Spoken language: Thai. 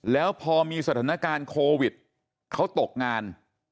แล้วพอมีสถานการณ์โควิดเขาตกงาน